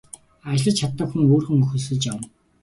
Ажиллаж чаддаг өөр хүн хөлсөлж авна.